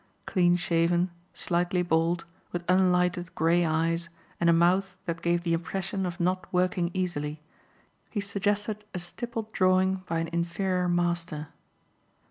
Clean shaven, slightly bald, with unlighted grey eyes and a mouth that gave the impression of not working easily, he suggested a stippled drawing by an inferior master.